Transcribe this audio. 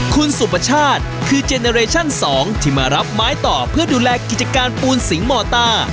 คุณสุปชาติคือเจเนอเรชั่น๒ที่มารับไม้ต่อเพื่อดูแลกิจการปูนสิงหมอต้า